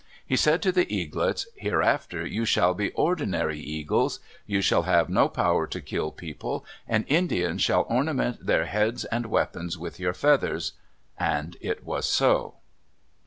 He said to the eaglets, "Hereafter you shall be ordinary eagles. You shall have no power to kill people, and Indians shall ornament their heads and weapons with your feathers;" and it was so.